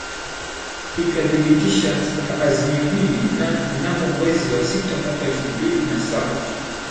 ikathibitisha azimio hili mnamo mwezi wa sita mwaka elfu mbili na saba